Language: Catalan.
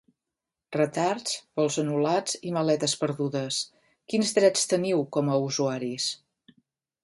Retards, vols anul·lats i maletes perdudes: quins drets teniu com a usuaris?